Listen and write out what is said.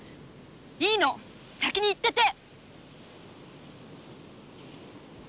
いいの先に行ってて！